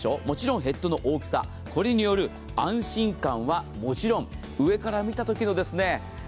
もちろんヘッドの大きさこれによる安心感はもちろん上から見た時のですね